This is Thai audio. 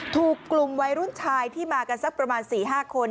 ถูกกลุ่มวัยรุ่นชายที่มากันสักประมาณ๔๕คน